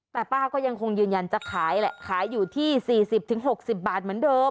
แต่ป้าก็ยังคงยืนยันจะขายแหละขายอยู่ที่๔๐๖๐บาทเหมือนเดิม